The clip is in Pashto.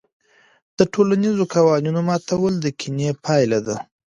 د ټولنیزو قوانینو ماتول د کینې پایله ده.